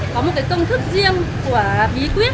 có một cái công thức riêng của bí quyết